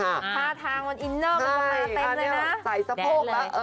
๕ทางวันอินเนอร์มันมาเต็มเลยนะแดดเลยใช่ใส่สะโพกแล้ว